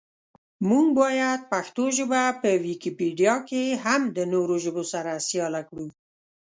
مونږ باید پښتو ژبه په ویکیپېډیا کې هم د نورو ژبو سره سیاله کړو.